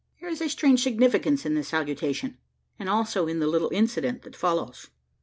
There is a strange significance in the salutation, as also in the little incident that follows.